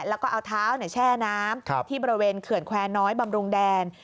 แล้วก็เอาเท้าแช่น้ำที่บริเวณเขื่อนแควร์น้อยบำรุงแดน